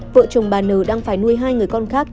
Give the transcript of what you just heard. vợ chồng bà n đang phải nuôi hai người con khác